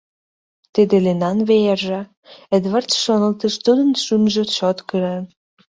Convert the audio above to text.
“Тиде Линан веерже“, — Эдвард шоналтыш, тудын шӱмжӧ чот кырен.